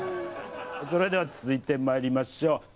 それでは続いてまいりましょう。